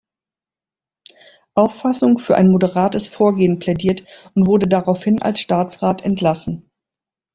Auffassung für ein moderates Vorgehen plädiert und wurde daraufhin als Staatsrat entlassen.